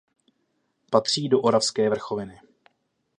Patří do Oravské vrchoviny.